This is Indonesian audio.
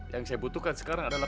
yang saya butuhkan sekarang adalah